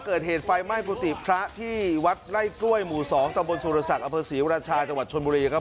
เกิดเหตุไฟไหม้กุฏิพระที่วัดไร่กล้วยหมู่๒ตำบลสุรศักดิ์อเภศรีราชาจังหวัดชนบุรีครับ